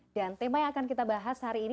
dan tema yang akan kita bahas hari ini